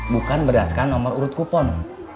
bukan berdasarkan nomor urut kupon